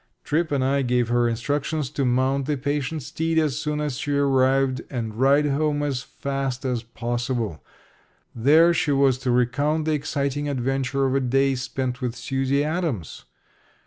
Tripp and I gave her instructions to mount the patient steed as soon as she arrived and ride home as fast as possible. There she was to recount the exciting adventure of a day spent with Susie Adams.